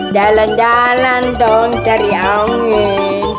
jalan jalan dong cari angin